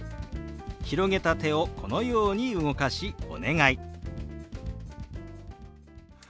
広げた手をこのように動かし「お願い」。